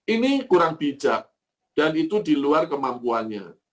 ini kurang bijak dan itu di luar kemampuannya